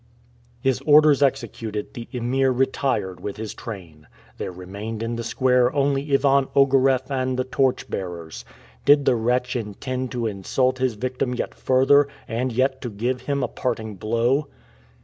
His orders executed, the Emir retired with his train. There remained in the square only Ivan Ogareff and the torch bearers. Did the wretch intend to insult his victim yet further, and yet to give him a parting blow?